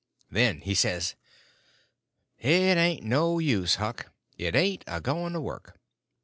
Then he says: "It ain't no use, Huck, it ain't a going to work.